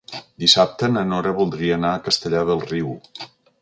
Dissabte na Nora voldria anar a Castellar del Riu.